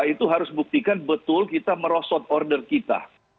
itu harus buktikan betul kita merosot order kita